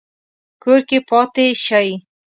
کور کې پاتې شئ